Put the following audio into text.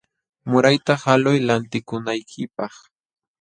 Murayta haluy lantikunaykipaq.